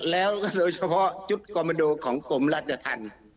แล้วก็โดยเฉพาะจุดกรมดูของกลมรัฐธรรม